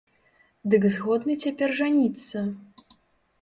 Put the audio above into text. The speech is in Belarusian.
Дык згодны цяпер жаніцца?